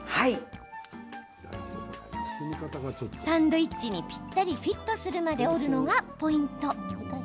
サンドイッチにぴったりフィットするまで折るのがポイント。